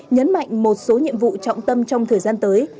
nhấn mạnh một số nhiệm vụ trọng tâm trong thời gian tới